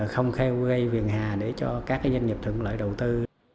không kheo gây viền hà để cho các doanh nghiệp thuận lợi đầu tư